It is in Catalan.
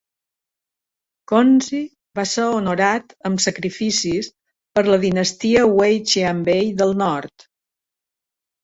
Kongzi va ser honorat amb sacrificis per la dinastia Wei Xianbei del Nord.